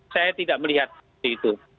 saya tidak melihat begitu